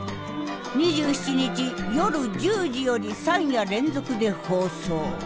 ２７日夜１０時より３夜連続で放送。